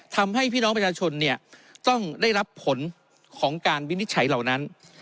ทำให้พี่น้องประชาชนเนี่ยต้องได้รับผลของการวินิจฉัยเหล่านั้น